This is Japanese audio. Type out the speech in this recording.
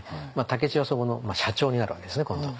武市はそこの社長になるわけですね今度。